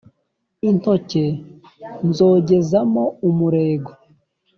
intoke nzogezamo umurego